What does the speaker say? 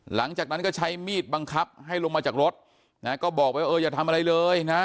หลังจากนั้นก็ใช้มีดบังคับให้ลงมาจากรถนะก็บอกไปเอออย่าทำอะไรเลยนะ